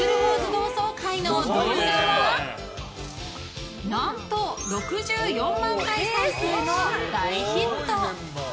同窓会の動画は何と、６４万回再生の大ヒット！